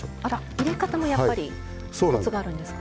入れ方も、やっぱりコツがあるんですか？